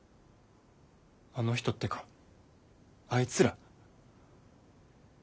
あの人ってかあいつら？